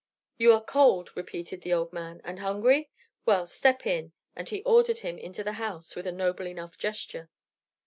"You are cold," repeated the old man, "and hungry? Well, step in." And he ordered him into the house with a noble enough gesture.